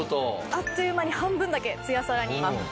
あっという間に半分だけツヤサラに。